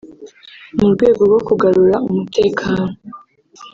mu rwego rwo kugarura umutekano